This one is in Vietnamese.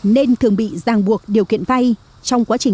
nên thường bị giang buộc điều khiển